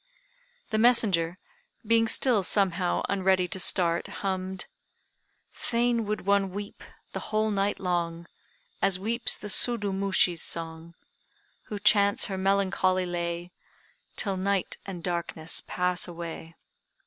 The messenger, being still somehow unready to start, hummed "Fain would one weep the whole night long, As weeps the Sudu Mushi's song, Who chants her melancholy lay, Till night and darkness pass away."